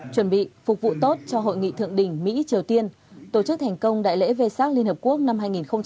chuẩn bị phục vụ tốt cho hội nghị thượng đỉnh mỹ triều tiên tổ chức thành công đại lễ vê sát liên hợp quốc năm hai nghìn một mươi chín